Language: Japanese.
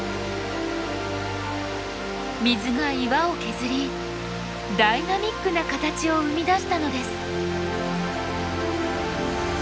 水が岩を削りダイナミックな形を生み出したのです。